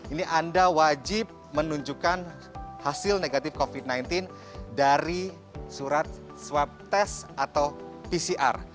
ini anda wajib menunjukkan hasil negatif covid sembilan belas dari surat swab test atau pcr